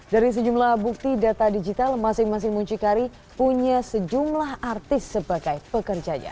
dari sejumlah bukti data digital masing masing muncikari punya sejumlah artis sebagai pekerjanya